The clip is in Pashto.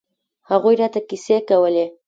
هغوى راته کيسې کولې.